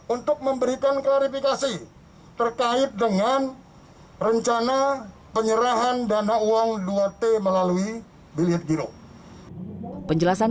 untuk memberikan klarifikasi terkait dengan rencana penyerahan dana uang dua t melalui bilihat giro penjelasan